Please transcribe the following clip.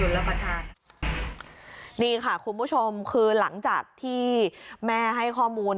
นี่ค่ะคุณผู้ชมคือหลังจากที่แม่ให้ข้อมูล